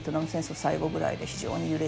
最後ぐらいで非常に揺れていて。